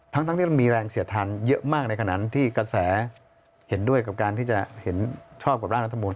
ทั้งที่เรามีแรงเสียดทานเยอะมากในขณะที่กระแสเห็นด้วยกับการที่จะเห็นชอบกับร่างรัฐมนต